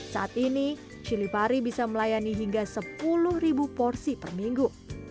saat ini cili pari bisa melayani hingga sepuluh porsi per minggu